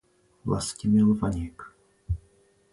Vlastimil Vaněk.